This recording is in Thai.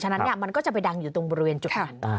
ฉะนั้นมันก็จะไปดังอยู่ตรงบริเวณจุดนั้น